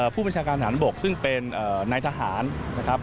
ผู้บัญชาการฐานบกซึ่งเป็นนายทหารนะครับ